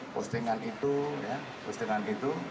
postingan itu ya postingan itu